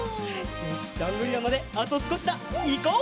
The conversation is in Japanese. よしジャングリラまであとすこしだいこう！